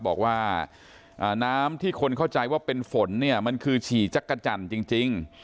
บอกว่าน้ำที่คนเข้าใจว่าเป็นฝนเนี่ยมันคือฉี่จักรจันทร์จริง